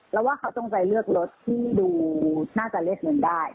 แล้วว่าเขาจงใจเลือกรถที่ดูน่าจะเรียกเงินได้